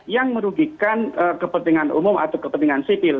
yang merugikan kepentingan umum atau kepentingan sipil